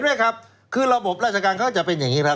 นี่ครับคือระบบราชการเขาจะเป็นอย่างนี้ครับ